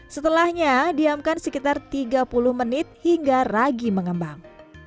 setelahnya diamkan sekitar tiga puluh menit hingga ragi mengembang